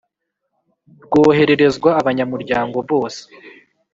rwohererezwa abanyamuryango bose